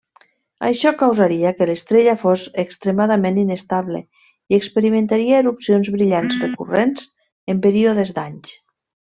Això causaria que l'estrella fos extremadament inestable i experimentaria erupcions brillants recurrents en períodes d'anys.